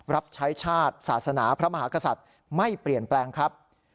รับใช้ชาติศาสนาพระมหากษัตริย์ไม่เปลี่ยนแปลงครับ